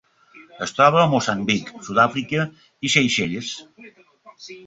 Es troba a Moçambic, Sud-àfrica i Seychelles.